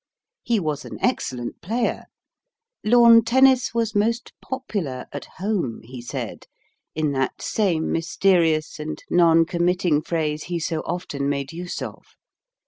He was an excellent player; lawn tennis was most popular "at home," he said, in that same mysterious and non committing phrase he so often made use of.